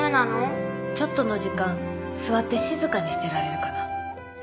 ちょっとの時間座って静かにしてられるかな？